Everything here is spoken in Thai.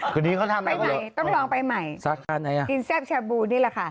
ต้องลองไปใหม่ดินแซ่บชาบูนี่แหละค่ะ